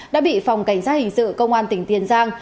đã bị phòng cảnh sát hình sự công an tỉnh tiền giang